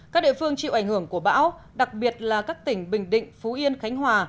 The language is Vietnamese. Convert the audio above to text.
các địa phương chịu ảnh hưởng của bão đặc biệt là các tỉnh bình định phú yên khánh hòa